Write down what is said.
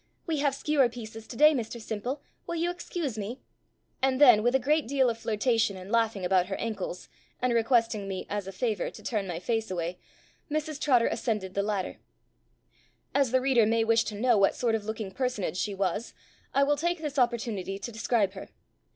We have skewer pieces today Mr Simple, will you excuse me?" and then, with a great deal of flirtation and laughing about her ankles, and requesting me, as a favour, to turn my face away, Mrs Trotter ascended the ladder. As the reader may wish to know what sort of looking personage she was, I will take this opportunity to describe her.